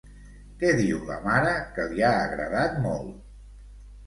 Què diu la mare que li ha agradat molt?